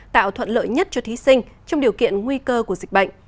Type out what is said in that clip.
tạo thuận lợi nhất cho thí sinh trong điều kiện nguy cơ của dịch bệnh